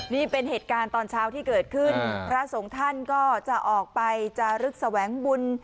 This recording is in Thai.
นี่เป็นเหตุการณ์ตอนเช้าที่เกิดขึ้นพระสงฆ์ท่านก็จะออกไปจารึกแสวงบุญ